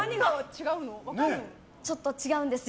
ちょっと違うんですよ。